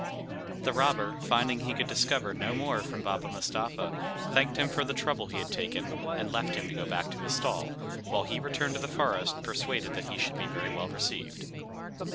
The robber, finding he could discover no more from Baba Mustapha, thanked him for the trouble he had taken, and left him to go back to his stall, while he returned to the forest, persuaded that he should be very well received.